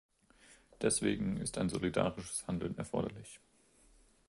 Deswegen ist ein solidarisches Handeln erforderlich.